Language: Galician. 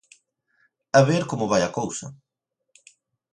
A ver como vai a cousa.